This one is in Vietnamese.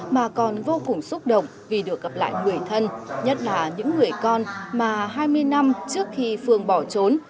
mà còn vô cùng xúc động vì được gặp lại người thân nhất là những người con mà hai mươi năm trước khi phương bỏ trốn